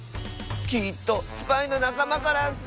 きっとスパイのなかまからッス！